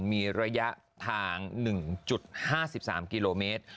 มีระยะทาง๑๕๓กิโลเมตร